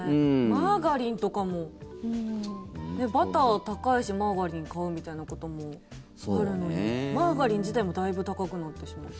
マーガリンとかもバター高いしマーガリン買うみたいなこともあるのにマーガリン自体もだいぶ高くなってしまう。